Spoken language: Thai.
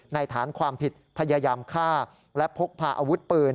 ฐานความผิดพยายามฆ่าและพกพาอาวุธปืน